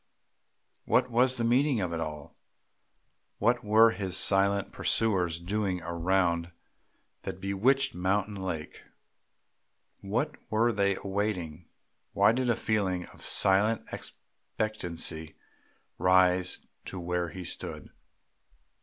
What was the meaning of it all? What were his silent pursuers doing around that bewitched mountain lake? What were they awaiting? Why did a feeling of silent expectancy rise to where he stood?